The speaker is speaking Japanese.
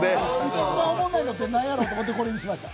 一番おもろないのなんやろと思ってこれにしました。